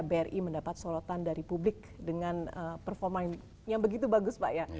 bri mendapat solotan dari publik dengan performa yang begitu bagus pak ya